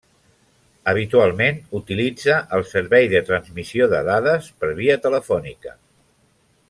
Habitualment utilitza el servei de transmissió de dades per via telefònica.